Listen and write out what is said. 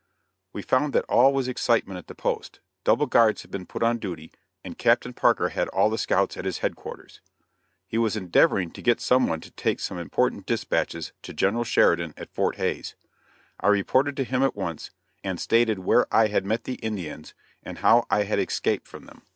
We found that all was excitement at the post; double guards had been put on duty, and Captain Parker had all the scouts at his headquarters. He was endeavoring to get some one to take some important dispatches to General Sheridan at Fort Hays. I reported to him at once, and stated where I had met the Indians and how I had escaped from them.